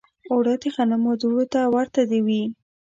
اوړه د غنمو دوړو ته ورته وي